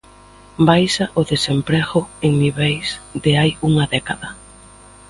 Baixa o desemprego en niveis de hai unha década.